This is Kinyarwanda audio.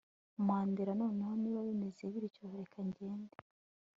Mandela noneho niba bimeze bityo reka ngende